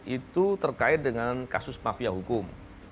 itu terkait dengan kasus mafia hukum